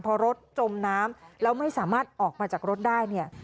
พอรถจมน้ำแล้วไม่สามารถออกมาจากรถได้เนี่ย